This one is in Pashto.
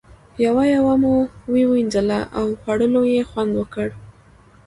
یوه یوه مو ووینځله او خوړلو یې خوند وکړ.